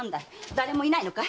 誰もいないのかい？